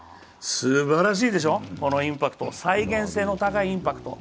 すばらしいでしょ、このインパクト再現性の高いインパクト。